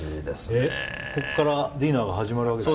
ここからディナーが始まるわけですか。